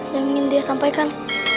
yang ingin dia sampaikan